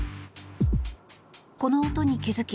この音に気付き